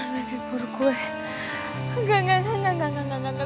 mimpi buruk gue enggak enggak enggak enggak enggak enggak enggak